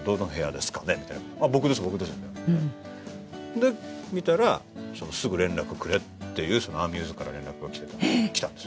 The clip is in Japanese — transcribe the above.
で見たらすぐ連絡くれっていうアミューズから連絡が来たんですよ。